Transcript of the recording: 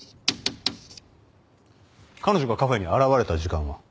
彼女がカフェに現れた時間は？